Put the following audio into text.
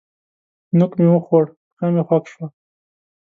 نوک مې وخوړ؛ پښه مې خوږ شوه.